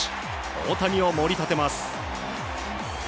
大谷を盛り立てます。